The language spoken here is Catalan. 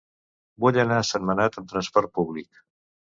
Vull anar a Sentmenat amb trasport públic.